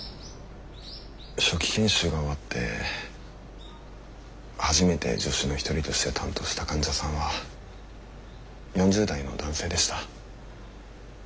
初期研修が終わって初めて助手の一人として担当した患者さんは４０代の男性でした。